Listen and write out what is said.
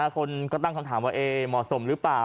คนก็ตั้งคำถามว่าเหมาะสมหรือเปล่า